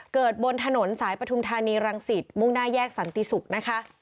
บนถนนสายปฐุมธานีรังสิตมุ่งหน้าแยกสันติศุกร์นะคะ